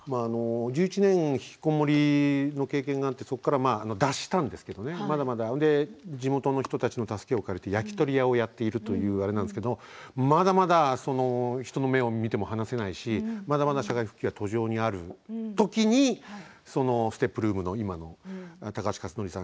１１年ひきこもりの経験があってそこから脱したんですけどまだまだで地元の人たちの助けを借りて焼き鳥屋をやっているというあれなんですけどまだまだ人の目を見て話せないしまだまだ社会復帰は途上にあるときにステップルームの今の高橋克典さん